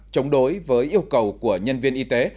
chống đối với yêu cầu của nhân viên y tế